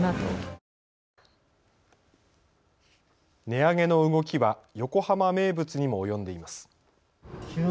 値上げの動きは横浜名物にも及んでいます。